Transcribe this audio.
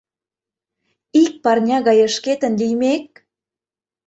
Ик парня гае шкетын лиймек?